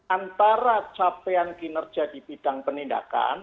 antara capaian kinerja di bidang penindakan